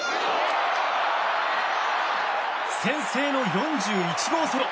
先制の４１号ソロ。